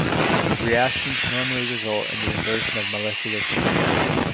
Reactions normally result in the inversion of molecular symmetry.